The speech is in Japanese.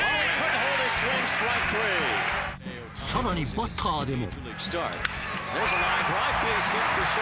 さらにバッターでも。